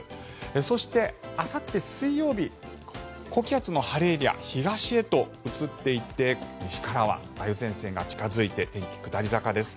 そして、あさって水曜日高気圧の晴れエリア東へと移っていって西からは梅雨前線が近付いて天気、下り坂です。